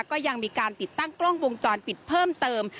ก็ยังมีการติดตั้งกล้องวงจรปิดเพิ่มเติม